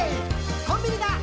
「コンビニだ！